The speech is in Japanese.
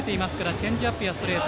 チェンジアップやストレート